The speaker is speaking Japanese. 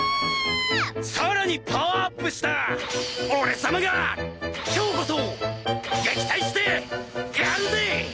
さらにパワーアップした俺様が今日こそ撃退してやるぜ！